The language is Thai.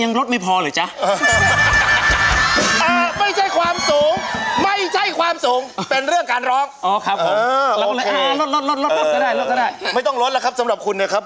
นั่นเรื่องต่ำ